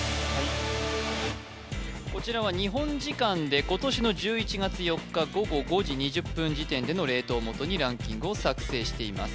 こちらは日本時間で今年の１１月４日午後５時２０分時点でのレートをもとにランキングを作成しています